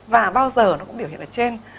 và bao giờ nó cũng biểu hiện ở trên